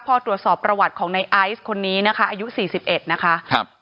พอตรวจสอบประวัติของในไอซ์คนนี้นะคะอายุสี่สิบเอ็ดนะคะครับ